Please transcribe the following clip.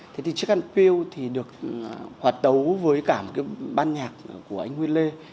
thế thì chiếc khăn piêu thì được hoạt tấu với cả một cái ban nhạc của anh nguyên lê